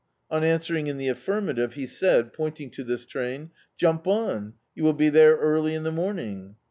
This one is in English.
On answering in the affirma tive, he said, pointing to this train, "Jump on: you will be there early in the morning!"